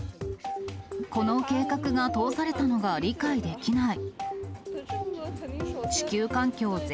この計画が通されたのが理解できない。